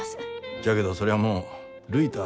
じゃけどそりゃあもうるいたあ